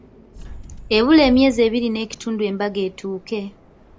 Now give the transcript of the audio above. Ebula emyezi ebiri n'ekitundu embaga etuuke.